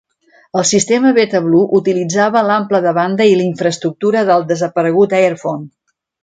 El sistema BetaBlue utilitzava l'ample de banda i l'infraestructura del desaparegut Airfone.